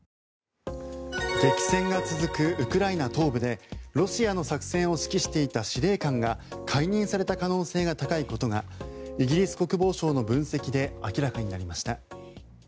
激戦が続くウクライナ東部でロシアの作戦を指揮していた司令官が解任された可能性が高いことがイギリス国防省の分析で明らかになりました。